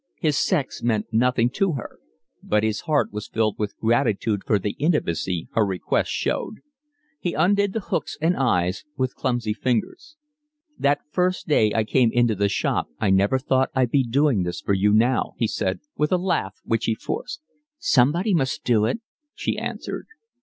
His sex meant nothing to her. But his heart was filled with gratitude for the intimacy her request showed. He undid the hooks and eyes with clumsy fingers. "That first day I came into the shop I never thought I'd be doing this for you now," he said, with a laugh which he forced. "Somebody must do it," she answered.